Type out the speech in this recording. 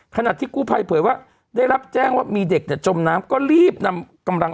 ขณะที่กู้ภัยเผยว่าได้รับแจ้งว่ามีเด็กเนี่ยจมน้ำก็รีบนำกำลัง